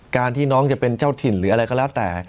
การที่น้องจะเป็นเจ้าถิ่นหรืออะไรก็แล้วแต่